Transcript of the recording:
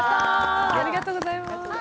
ありがとうございます。